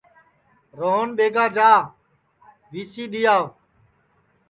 روہن ٻیگا جا وی سی دؔی آو